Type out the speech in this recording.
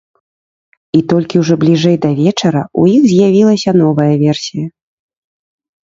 І толькі ўжо бліжэй да вечара ў іх з'явілася новая версія.